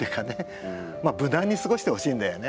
まあ無難に過ごしてほしいんだよね